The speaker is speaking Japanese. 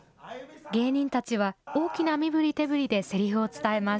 芸人たちは、大きな身ぶり手ぶりでせりふを伝えます。